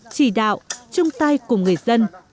chỉ đạo chung tay cùng người dân